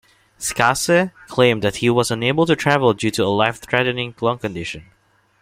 Skase claimed that he was unable to travel due to a life-threatening lung condition.